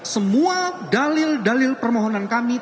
semua dalil dalil permohonan kami